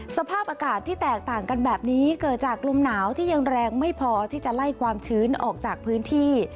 สภาพอากาศที่แตกต่างกันแบบนี้เกิดจากลมหนาวที่ยังแรงไม่พอที่จะไล่ความชื้นออกจากพื้นที่